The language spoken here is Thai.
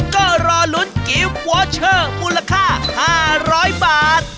ก็รอลุ้นกิฟต์วอเชอร์มูลค่า๕๐๐บาท